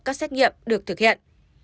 các xét nghiệm được thực hiện